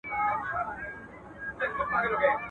هم په ساندو بدرګه دي هم په اوښکو کي پېچلي..